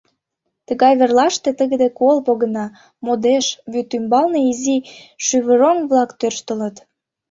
Тыгай верлаште тыгыде кол погына, модеш, вӱд ӱмбалне изи шӱвыроҥ-влак тӧрштылыт.